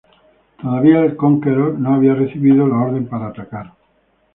Todavía el "Conqueror" no había recibido la orden para atacar.